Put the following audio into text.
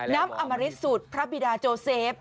อมริตสูตรพระบิดาโจเซฟ